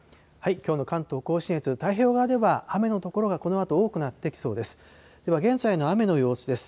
きょうの関東甲信越、太平洋側では雨の所がこのあと多くなってきそうです。